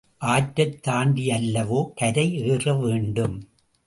ஆற்றைத் தாண்டியல்லவோ கரை ஏறவேண்டும்?